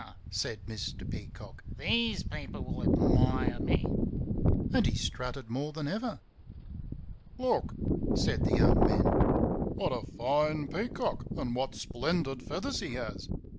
said Mr. Peacock. "These people will admire me!" and he strutted more than ever. "Look!" said the young men. "What a fine peacock, and what splendid feathers he has!